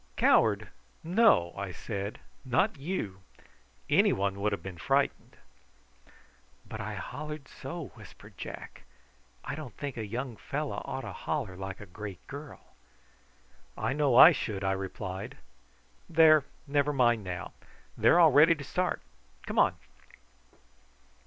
"Coward! No," I said; "not you. Any one would have been frightened." "But I hollered so," whispered Jack. "I don't think a young fellow ought to holler like a great girl." "I know I should," I replied. "There, never mind now. They're all ready to start. Come on!"